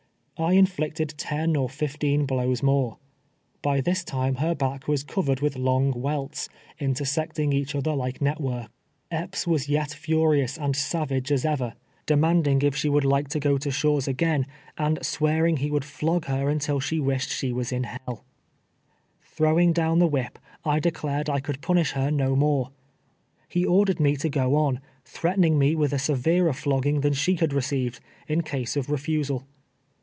I inflicted ten or fifteen blows more. J3y this time her back was covered with long welts, intersecting each other like net work. Epps was yet furious and savage as ever, demanding FLAYESTG OF TATSEY. 257 if slie Avould like to go to Sliaw's again, and swear ing lie would tlog her nntil she wished she was in h — 1. Throwing down the whij), I declared I could punish her no more. lie ordered me to go on, threatening me with a severer flogging than she had received, in case of refusal.